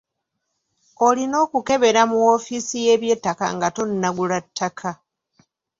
Olina okukebera mu woofisi y'ebyettaka nga tonnagula ttaka.